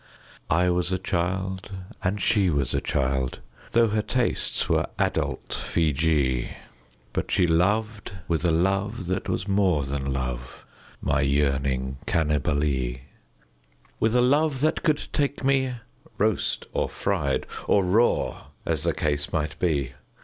I was a child, and she was a child — Tho' her tastes were adult Feejee — But she loved with a love that was more than love, My yearning Cannibalee; With a love that could take me roast or fried Or raw, as the case might be.